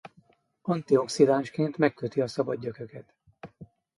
Antioxidánsként megköti a szabad gyököket.